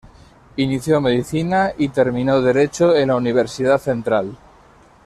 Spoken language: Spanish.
Inició Medicina, y terminó Derecho en la Universidad Central.